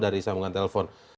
dari samungan telepon